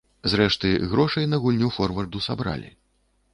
Зрэшты, грошай на гульню форварду сабралі.